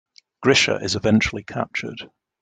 Grischa is eventually captured.